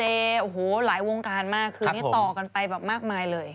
หลายวงการมากคืนนี้ต่อกันไปแบบมากมายเลย